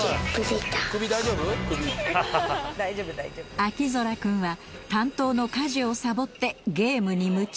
秋空くんは担当の家事をサボってゲームに夢中。